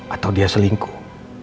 atau dia selingkuh